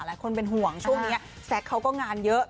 หลายคนเป็นห่วงช่วงนี้แซคเขาก็งานเยอะ